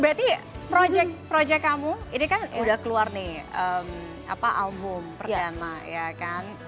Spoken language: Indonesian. berarti project kamu ini kan udah keluar nih album pertama ya kan